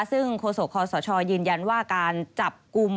ซึ่งโฆษกคอสชยืนยันว่าการจับกลุ่ม